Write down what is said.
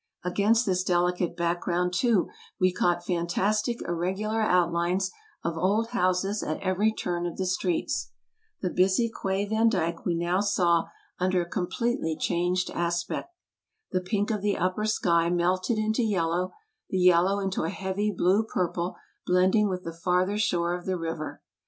Against this delicate background, too, we caught fantastic irregular outlines of old houses at every turn of the streets. The busy Quai Vandyck we now saw under a completely changed aspect. The pink of the upper sky melted into yellow, the yellow into a heavy blue purple blending with the farther shore of the river.